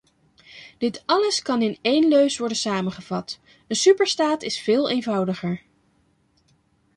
Dit alles kan in één leus worden samengevat: een superstaat is veel eenvoudiger.